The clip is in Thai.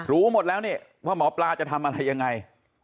รู้หมดแล้วนี่ว่าหมอปลาจะทำอะไรยังไง